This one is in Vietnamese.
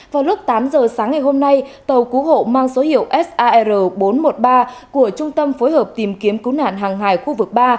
vào lúc tám giờ sáng ngày hôm nay tàu cứu hộ mang số hiệu sar bốn trăm một mươi ba của trung tâm phối hợp tìm kiếm cứu nạn hàng hải khu vực ba